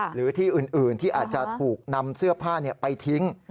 หรือที่อื่นที่อาจจะถูกนำเสื้อผ้าไปทิ้ง